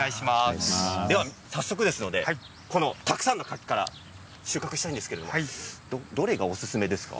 早速ですのでこのたくさんの柿から収穫したいんですがどれがおすすめですか？